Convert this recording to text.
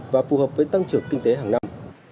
và phù hợp với tăng trưởng kinh tế hàng năm